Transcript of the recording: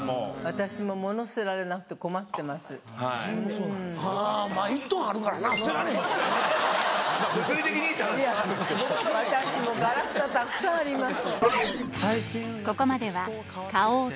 私もガラスがたくさんあります。